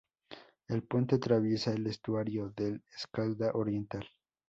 El puente atraviesa el estuario del Escalda Oriental.